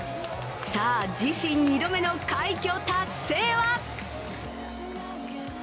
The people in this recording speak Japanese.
さあ自身２度目の快挙達成は？